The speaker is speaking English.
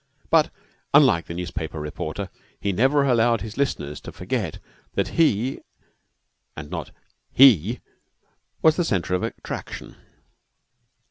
But, unlike the newspaper reporter, he never allowed his listeners to forget that he, and not He, was the centre of attraction.